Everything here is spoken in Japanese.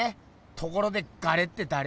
ところでガレってだれ？